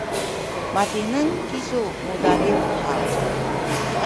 matineng kisu mudadiw haw?